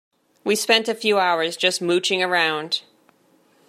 We spent a few hours just mooching around.